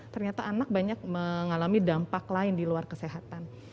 ternyata anak banyak mengalami dampak lain di luar kesehatan